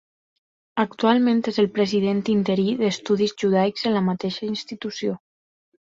Actualment és el President Interí d'estudis judaics en la mateixa institució.